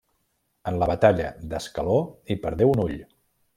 En la batalla d'Ascaló hi perdé un ull.